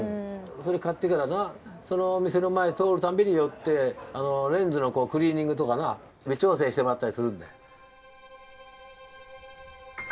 それ買ってからさその店の前通るたんびに寄ってレンズのクリーニングとかな微調整してもらったりするんだよ。